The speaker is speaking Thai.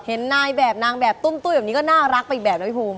เห็นนายแบบนางแบบตุ้มตุ้ยแบบนี้ก็น่ารักไปอีกแบบนะพี่ภูมิ